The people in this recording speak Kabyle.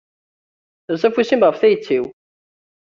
Sers afus-im ɣef tayet-iw.